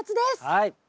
はい。